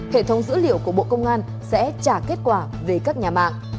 hệ thống dữ liệu của bộ công an sẽ trả kết quả về các nhà mạng